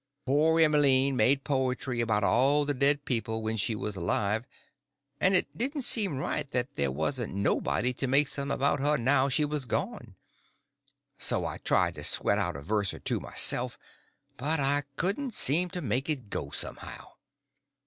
Poor Emmeline made poetry about all the dead people when she was alive, and it didn't seem right that there warn't nobody to make some about her now she was gone; so I tried to sweat out a verse or two myself, but I couldn't seem to make it go somehow.